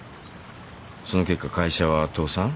その結果会社は倒産。